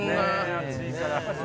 暑いから。